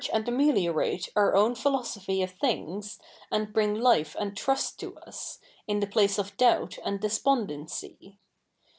id ameliorate our ozvn philosophy of things, a?id bring life and trust to us, in the place of doubt and despofidency.